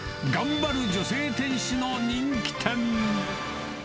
頑張る女性店主の人気店。